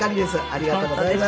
ありがとうございます。